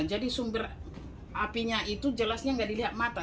jadi sumber apinya itu jelasnya nggak dilihat mata